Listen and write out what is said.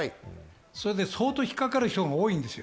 それで相当引っ掛かる人多いんです。